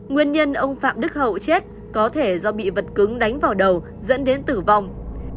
nguyên nhân ông phạm đức hậu chết có thể do bị vật cứng đánh vào đầu dẫn đến tử vong